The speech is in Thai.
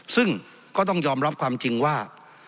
ซึ่งก็ต้องยอมรับความจริงว่า